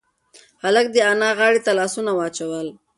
هلک د انا غاړې ته لاسونه واچول.